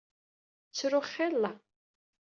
Ttruɣ xilla.